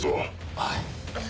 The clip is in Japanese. はい。